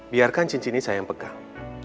biarkan cincin ini saya yang pegang